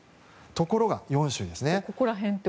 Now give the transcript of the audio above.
ところが４州ですね。